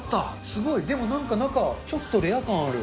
すごい、でもなんか、中、ちょっとレア感ある。